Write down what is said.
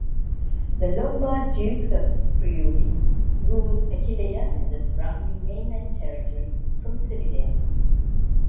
The Lombard Dukes of Friuli ruled Aquileia and the surrounding mainland territory from Cividale.